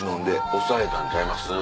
押さえたんちゃいます？